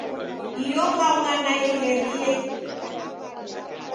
Iyo kaunga naiherie.